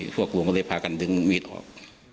พวกรุงก็เลยพากันดึงวิทย์ออก